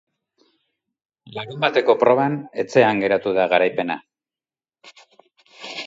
Larunbateko proban, etxean geratu da garaipena.